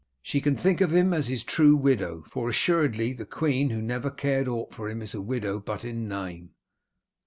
She can think of him as his true widow, for assuredly the queen who never cared aught for him is a widow but in name.